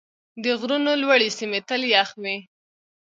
د غرونو لوړې سیمې تل یخ وي.